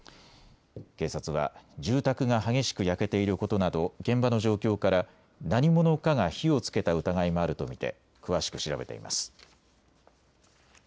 警察は住宅が激しく焼けていることなど現場の状況から何者かが火をつけた疑いもあると見て詳しく調べています。